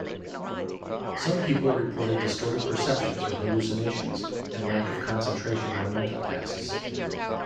Some people reported distorted perceptions or hallucinations and lack of concentration on mental tasks.